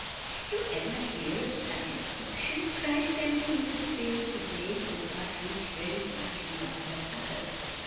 "Did you ever hear of such extortion?" cries Tempy, whose experience of lace does not reach very much beyond her tuckers.